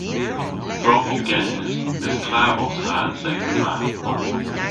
Drog yw genes mes klav os ta an seythen ma.